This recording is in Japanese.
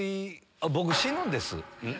僕死ぬんです。